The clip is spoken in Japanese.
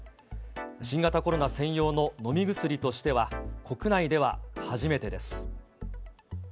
新型コロナ専用の飲み薬としては、国内では初めてです。